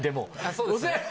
そうですね